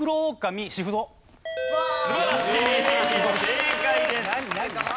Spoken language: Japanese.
正解です。